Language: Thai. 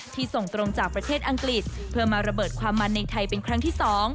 ส่งตรงจากประเทศอังกฤษเพื่อมาระเบิดความมันในไทยเป็นครั้งที่๒